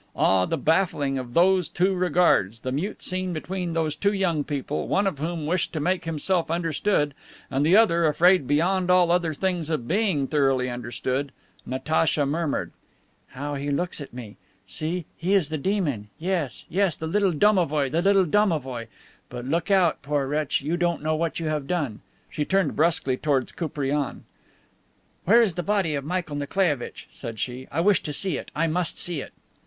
Ah, the baffling of those two regards, the mute scene between those two young people, one of whom wished to make himself understood and the other afraid beyond all other things of being thoroughly understood. Natacha murmured: "How he looks at me! See, he is the demon; yes, yes, the little domovoi, the little domovoi. But look out, poor wretch; you don't know what you have done." She turned brusquely toward Koupriane: "Where is the body of Michael Nikolaievitch?" said she. "I wish to see it. I must see it."